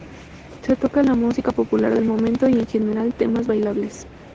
Se toca la música popular del momento y en general temas bailables.